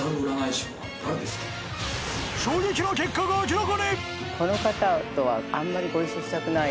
衝撃の結果が明らかに！